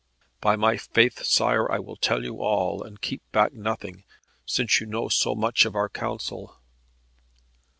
"By my faith, Sire, I will tell you all, and keep back nothing, since you know so much of our counsel."